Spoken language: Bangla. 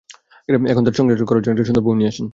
এখন তার সংসার করার জন্য একটা সুন্দর বউ নিয়ে আসেন।